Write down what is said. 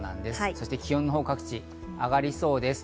そして気温のほう、各地上がりそうです。